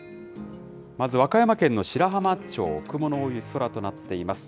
まず、和歌山県の白浜町、雲の多い空となっています。